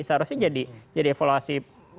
seharusnya jadi evaluasi pemerintah